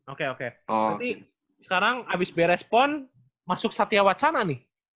oke oke nanti sekarang habis berespon masuk satya wacana nih